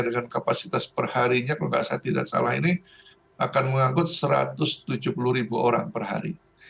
dengan kapasitas perharinya kalau nggak salah ini akan mengangkut satu ratus tujuh puluh orang perhari